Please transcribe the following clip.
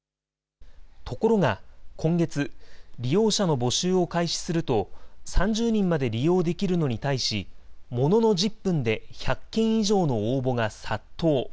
ところが今月、利用者の募集を開始すると、３０人まで利用できるのに対し、ものの１０分で１００件以上の応募が殺到。